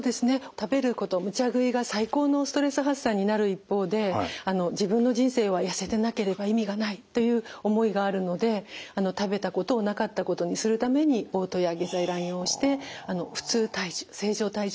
食べることむちゃ食いが最高のストレス発散になる一方で自分の人生は痩せてなければ意味がないという思いがあるので食べたことをなかったことにするためにおう吐や下剤乱用して普通体重正常体重を維持しています。